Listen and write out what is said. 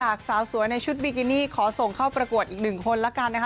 สาวสวยในชุดบิกินี่ขอส่งเข้าประกวดอีกหนึ่งคนละกันนะคะ